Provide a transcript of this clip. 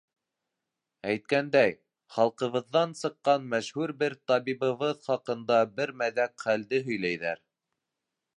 Әйткәндәй, халҡыбыҙҙан сыҡҡан мәшһүр бер табибыбыҙ хаҡында бер мәҙәк хәлде һөйләйҙәр.